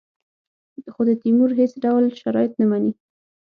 خو د تیمور هېڅ ډول شرایط نه مني.